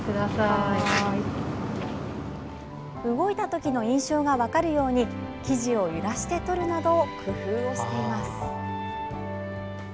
動いたときの印象が分かるように生地を揺らして撮るなど工夫をしています。